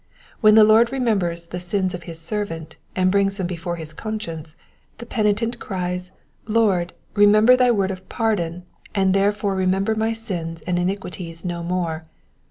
When the Lord remembers the sins of his servant, and brings ifaem before his conscience, the penitent cries, Lord, remember thy word of pardon, and therefore re member my sins and iniquities no more.